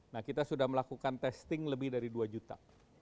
nah kita sudah melakukan testing lebih dari dua juta